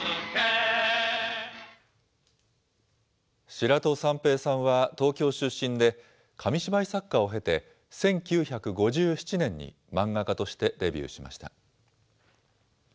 白土三平さんは東京出身で、紙芝居作家を経て、１９５７年に漫画家としてデビューしました。